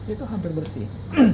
itu hampir bersih